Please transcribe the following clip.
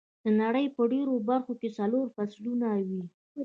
د نړۍ په ډېرو برخو کې څلور فصلونه وي.